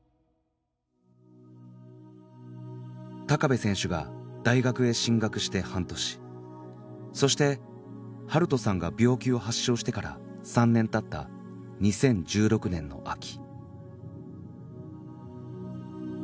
部選手が大学へ進学して半年そして晴斗さんが病気を発症してから３年経った２０１６年の秋